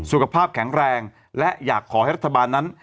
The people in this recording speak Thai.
สุขภาพแข็งแรงและอยากขอให้รัฐบาลนั้น